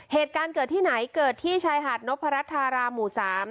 เหตุการณ์เกิดที่ไหนเกิดที่ชายหาดนพรัชธารามหมู่สาม